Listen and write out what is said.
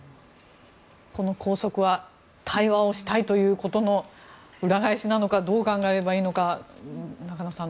この拘束は対話をしたいということの裏返しなのかどう考えればいいのか中野さん